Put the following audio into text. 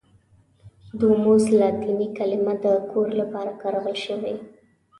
دوموس لاتیني کلمه د کور لپاره کارول شوې.